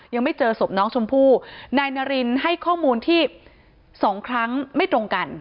ยังไม่เจอศพน้องชมพู่นายนารินให้ข้อมูลที่สองครั้งไม่ตรงกัน